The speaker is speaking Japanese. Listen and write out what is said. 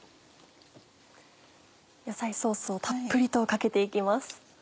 野菜ソースをたっぷりとかけて行きます。